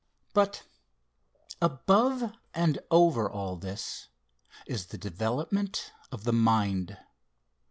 But above and over all this, is the development of mind.